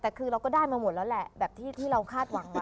แต่คือเราก็ได้มาหมดแล้วแหละแบบที่เราคาดหวัง